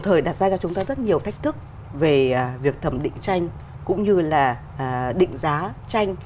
thời đặt ra cho chúng ta rất nhiều thách thức về việc thẩm định tranh cũng như là định giá